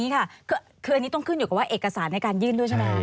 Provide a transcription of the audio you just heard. ค่ะคืออันนี้ต้องขึ้นอยู่กับว่าเอกสารในการยื่นด้วยใช่ไหม